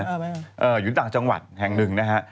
เอ่ออยู่ต่างจังหวัดแห่งหนึ่งนะฮะ